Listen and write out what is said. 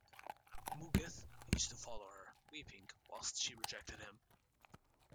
Mughith used to follow her, weeping, whilst she rejected him.